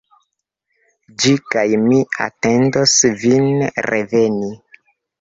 Ĝi kaj mi atendos vin reveni.